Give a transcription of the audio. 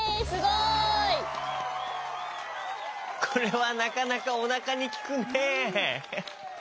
これはなかなかおなかにきくね！